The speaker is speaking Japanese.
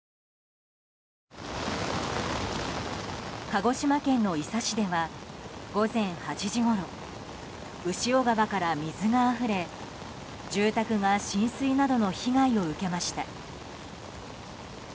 鹿児島県の伊佐市では午前８時ごろ牛尾川から水があふれ住宅が浸水などの被害を受けました。